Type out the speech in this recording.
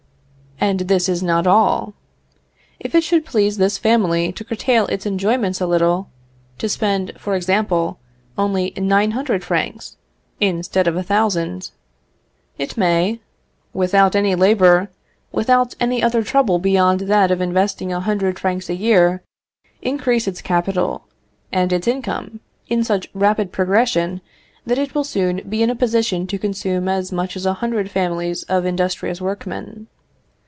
And this is not all. If it should please this family to curtail its enjoyments a little to spend, for example, only 900 francs, instead of 1,000 it may, without any labour, without any other trouble beyond that of investing 100 francs a year, increase its capital and its income in such rapid progression, that it will soon be in a position to consume as much as a hundred families of industrious workmen.